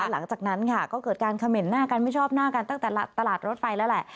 หลังจากนั้นค่ะก็เกิดการเขม่นหน้ากันไม่ชอบหน้ากันตั้งแต่ตลาดรถไปแล้วแหละ